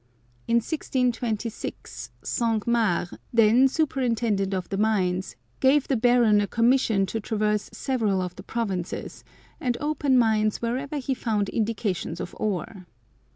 In 1626, Cinq Mars, then superintendent of the mines, gave the Baron a commission to traverse several of the provinces, and open mines wherever he found indications of ore.